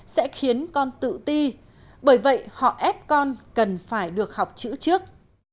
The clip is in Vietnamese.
sẽ khiến con tự ti bởi vậy họ ép con cần phải được học chữ trước